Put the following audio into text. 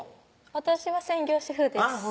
私は専業主婦ですあぁ